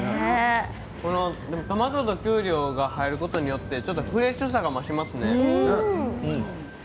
このトマトときゅうりが入ることによってちょっとフレッシュさが増しますね。